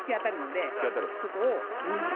そこを右。